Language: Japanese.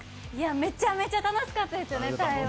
めちゃめちゃ楽しかったですよね、台湾。